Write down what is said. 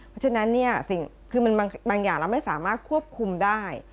เพราะฉะนั้นบางอย่างเราไม่สามารถควบคุมได้